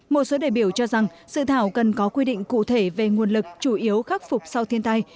một số đề biểu cho rằng sự thảo cần có quy định cụ thể về nguồn lực chủ yếu khắc phục sau thiên tai